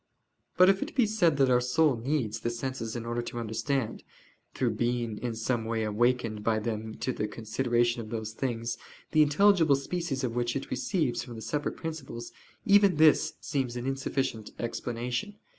But if it be said that our soul needs the senses in order to understand, through being in some way awakened by them to the consideration of those things, the intelligible species of which it receives from the separate principles: even this seems an insufficient explanation.